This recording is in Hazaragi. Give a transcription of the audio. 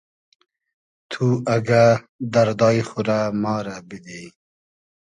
تو اگۂ دئردای خو رۂ ما رۂ بیدی